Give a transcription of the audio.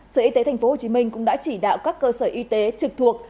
sở y tế thành phố hồ chí minh cũng đã chỉ đạo các cơ sở y tế trực thuộc